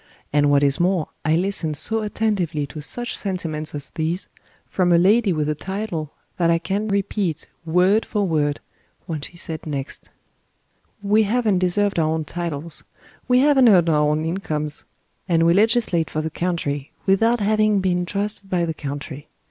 And what is more, I listened so attentively to such sentiments as these, from a lady with a title, that I can repeat, word for word, what she said next. "We hav'n't deserved our own titles; we hav'n't earned our own incomes; and we legislate for the country, without having been trusted by the country.